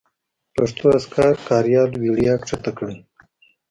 پښتو اذکار کاریال وړیا کښته کړئ